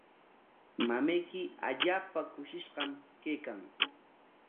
Mamayki allaapa kushishqam kaykan.